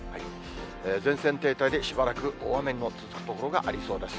前線停滞でしばらく大雨の続く所がありそうです。